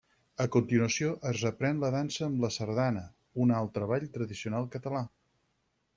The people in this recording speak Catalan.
A continuació es reprèn la dansa amb la Sardana, un altre ball tradicional català.